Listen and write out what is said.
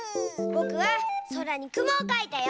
ぼくはそらにくもをかいたよ！